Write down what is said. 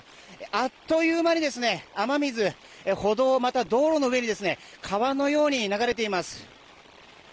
あっという間に雨水歩道、また道路の上に川のように流れています。